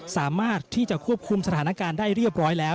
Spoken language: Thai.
สามารถที่จะควบคุมสถานการณ์ได้เรียบร้อยแล้ว